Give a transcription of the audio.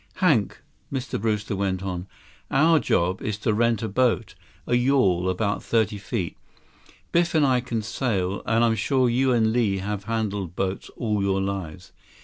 "Hank," Mr. Brewster went on, "our job is to rent a boat. A yawl, about thirty feet. Biff and I can sail, and I'm sure you and Li have handled boats all your lives.